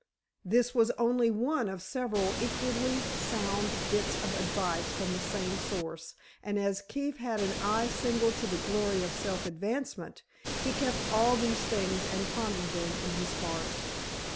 This was only one of several equally sound bits of advice from the same source, and as Keefe had an eye single to the glory of self advancement, he kept all these things and pondered them in his heart.